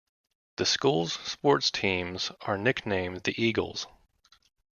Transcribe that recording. The school's sports teams are nicknamed the Eagles.